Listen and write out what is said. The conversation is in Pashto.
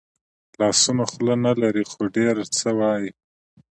لاسونه خوله نه لري خو ډېر څه وايي